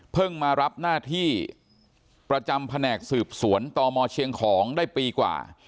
มารับหน้าที่ประจำแผนกสืบสวนตมเชียงของได้ปีกว่า